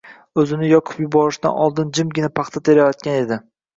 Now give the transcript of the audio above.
O'zini yoqib yuborishdan oldin jimgina paxta terayotgan edi.